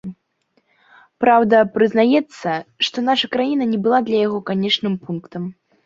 Праўда, прызнаецца, што наша краіна не была для яго канечным пунктам.